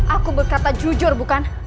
aku berkata jujur bukan